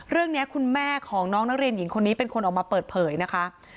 เรื่องนี้คุณแม่ของน้องนักเรียนหญิงคนนี้เป็นคนออกมาเปิดเผยนะคะ